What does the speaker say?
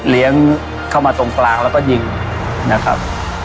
เข้ามาตรงกลางแล้วก็ยิงนะครับ